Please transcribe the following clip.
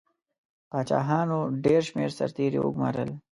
پاچاهانو ډېر شمېر سرتیري وګمارل.